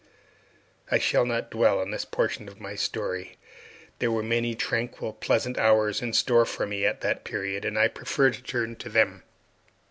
I shall not dwell on this portion of my story. There were many tranquil, pleasant hours in store for me at that period, and I prefer to turn to them.